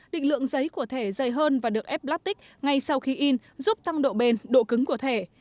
định lượng giấy của thể dày hơn và được ép lát tích ngay sau khi in giúp tăng độ bền độ cứng của thể